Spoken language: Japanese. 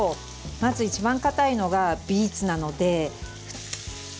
まず一番かたいのがビーツなので。